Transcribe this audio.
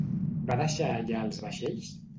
Va deixar allà els vaixells?